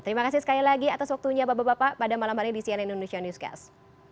terima kasih sekali lagi atas waktunya bapak bapak pada malam hari di cnn indonesia newscast